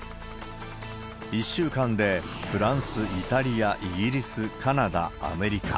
１週間でフランス、イタリア、イギリス、カナダ、アメリカ。